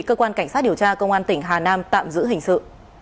cơ quan cảnh sát điều tra công an tỉnh hà nam tạm giữ hình sự